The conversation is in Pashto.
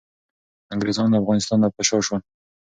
انګریزان له افغانستان نه په شا شول.